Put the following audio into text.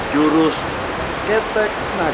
jurus ketek naga